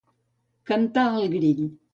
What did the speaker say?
Cantar el grill.